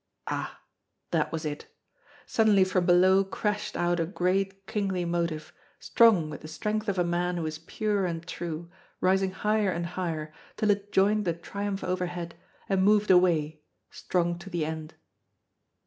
Ah, that was it. Suddenly from below crashed out a great kingly motif, strong with the strength of a man who is pure and true, rising higher and higher, till it joined the triumph overhead, and moved away, strong to the end.